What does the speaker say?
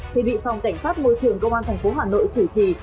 thì bị phòng cảnh sát môi trường công an thành phố hà nội chủ trì